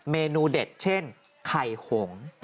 เมนูเด็ดเช่นไข่หง